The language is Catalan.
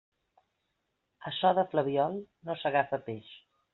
A so de flabiol no s'agafa peix.